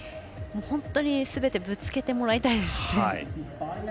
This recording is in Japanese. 本当にすべてぶつけてもらいたいですね。